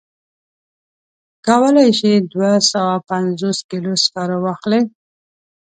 کولای شي دوه سوه پنځوس کیلو سکاره واخلي.